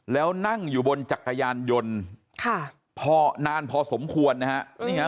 แล้วนั่งอยู่บนจักรยานยนต์พอนานพอสมควรนะครับ